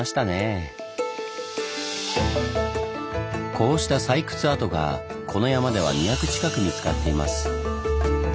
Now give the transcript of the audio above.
こうした採掘跡がこの山では２００近く見つかっています。